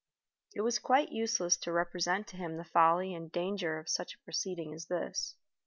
It was quite useless to represent to him the folly and danger of such a proceeding as this.